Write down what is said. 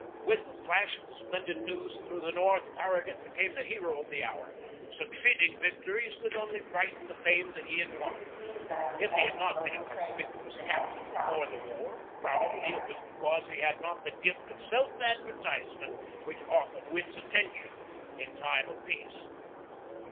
With the flash of the splendid news through the North, Farragut be came the hero of the hour. Succeeding victories could only brighten the fame that he had won. If he had not been a conspicuous captain before the war, probably it was because he had not the gift of self advertisement which often wins attention in time of peace.